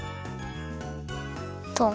トン。